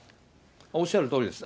おっしゃるとおりです。